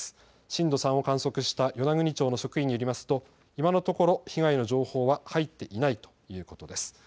震度３を観測した与那国町の職員によりますと今のところ被害の情報は入っていないということです。